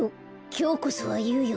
きょうこそはいうよ。